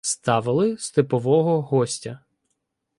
Ставили "Степового гостя".